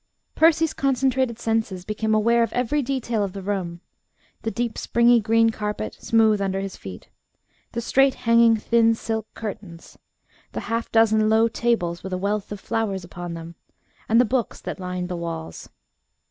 Percy's concentrated senses became aware of every detail of the room the deep springy green carpet, smooth under his feet, the straight hanging thin silk curtains, the half dozen low tables with a wealth of flowers upon them, and the books that lined the walls.